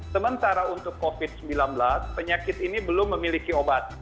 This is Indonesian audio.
sementara untuk covid sembilan belas penyakit ini belum memiliki obat